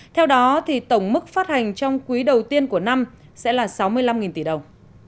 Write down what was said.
theo đó tổng mức phát hành trong quý đầu tiên của năm sẽ là sáu mươi năm tỷ đồng